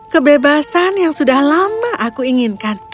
kebebasan yang sudah lama aku inginkan